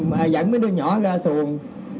là dẫn mấy đứa nhỏ ra xuồng